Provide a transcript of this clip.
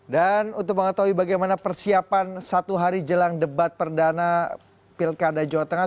dan untuk mengetahui bagaimana persiapan satu hari jelang debat perdana pilkada jawa tengah